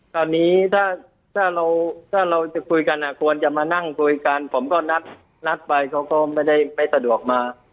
คราวนี้ถ้าเราถ้าเราจะคุยกันควรจะมานั่งคุยกันผมก็นัดไปเขาก็ไม่ได้ไม่สะดวกมา